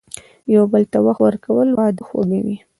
یو بل ته وخت ورکول، واده خوږوي.